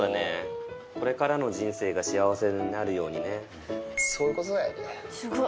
これからの人生が幸せになるそういうことだよね。